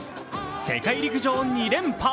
世界陸上２連覇。